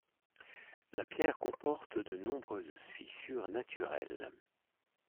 La pierre comporte de nombreuses fissures naturelles.